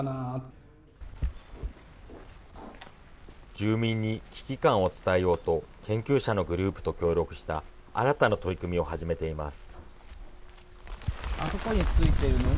住民に危機感を伝えようと、研究者のグループと協力した新たな取り組みを始めています。